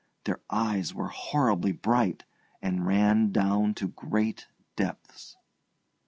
Their eyes were horribly bright, and ran down to great depths.